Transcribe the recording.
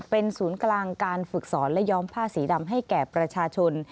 เป็นศูนย์กลางการฝึกสอนและย้อมผ้าสีดำให้แก่ประชาชน